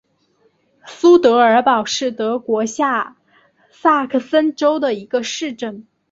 苏德尔堡是德国下萨克森州的一个市镇。